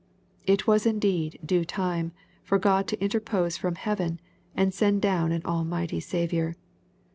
It was indeed " due time" for God to interpose from heaven, and send down an almighty Saviour.